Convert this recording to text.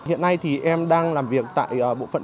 hiện nay thì em đang làm việc tại bộ phận